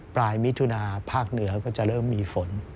มิถุนาภาคเหนือก็จะเริ่มมีฝน